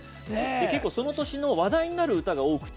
結構、その年の話題になる歌が多くて。